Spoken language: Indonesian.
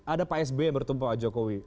ada pak s b yang bertemu pak jokowi